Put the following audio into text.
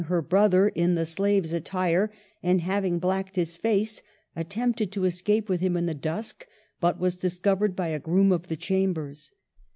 her brother in the slave's attire, and having blacked his face, attempted to escape with him in the dusk, but was discovered by a groom of the chambers.